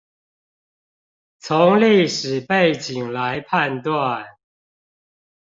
從歷史背景來判斷